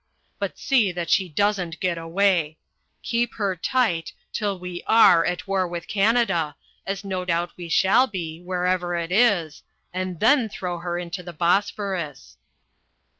But see that she doesn't get away. Keep her tight, till we are at war with Canada, as no doubt we shall be, wherever it is, and then throw her into the Bosphorus."